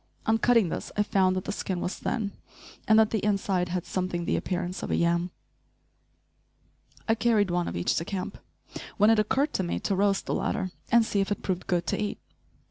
On cutting this I found that the skin was thin, and that the inside had something the appearance of a yam. I carried one of each to camp, when it occurred to me to roast the latter, and see if it proved good to eat.